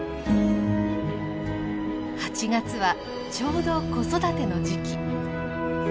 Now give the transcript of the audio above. ８月はちょうど子育ての時期。